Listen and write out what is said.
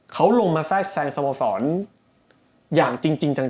เขาลงมาแทรกแทรงสโมสรอย่างจริงจัง